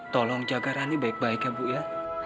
tolong jaga rani baik baik ya bu ya